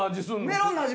メロンの味